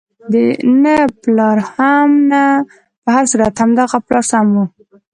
نه پلار هم نه، په هر صورت همدغه پلار سم وو.